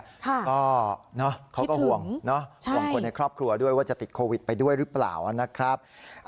ค่ะคิดถึงใช่ความความความในครอบครัวด้วยว่าจะติดโควิดไปด้วยหรือเปล่านะครับ